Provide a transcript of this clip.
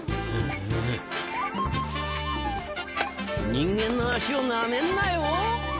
人間の脚をナメんなよ！